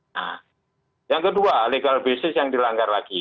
nah yang kedua legal business yang dilanggar lagi